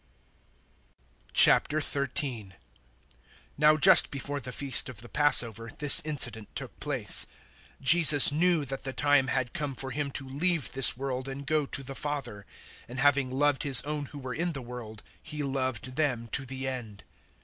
013:001 Now just before the Feast of the Passover this incident took place. Jesus knew that the time had come for Him to leave this world and go to the Father; and having loved His own who were in the world, He loved them to the end.